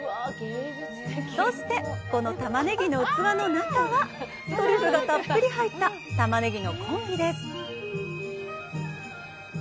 そして、このタマネギの器の中は、トリュフがたっぷり入ったタマネギのコンフィです。